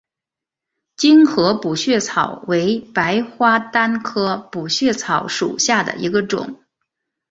精河补血草为白花丹科补血草属下的一个种。